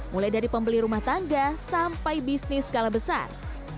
mulai dari pembeli rumah tangga sampai bisnis skala besar